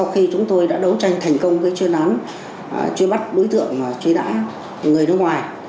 khi chúng tôi đã đấu tranh thành công với chuyên án truy bắt đối tượng truy nã người nước ngoài